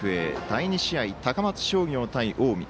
第２試合、高松商業対近江。